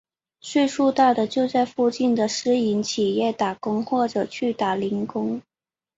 岁数大的就在附近的私营企业打工或者去打零工。